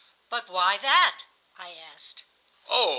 ... "But why that?" I asked. "Oh!